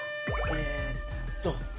えっと